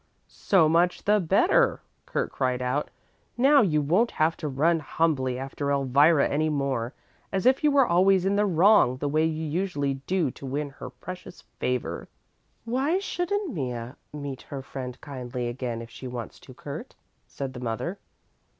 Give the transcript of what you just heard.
"So much the better!" Kurt cried out. "Now you won't have to run humbly after Elvira any more, as if you were always in the wrong, the way you usually do to win her precious favor." "Why shouldn't Mea meet her friend kindly again if she wants to, Kurt?" said the mother.